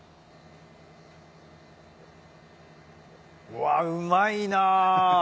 うわうまいな。